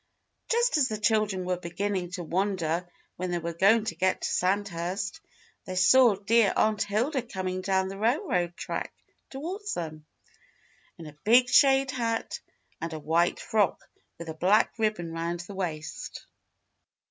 Just as the children were beginning to wonder when they were going to get to Sandhurst, they saw dear Aunt Hilda coming down the railroad track toward them, in a big shade hat and a white frock with a black ribbon around the waist.